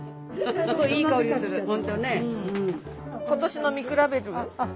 今年の見比べる？